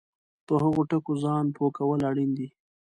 په هغو ټکو ځان پوه کول اړین دي